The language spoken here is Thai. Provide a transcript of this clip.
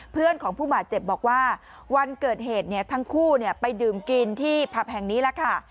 เพื่อนของผู้บาดเจ็บบอกว่าวันเกิดเหตุทั้งคู่ไปดื่มกินที่ผับแห่งนี้แล้วค่ะ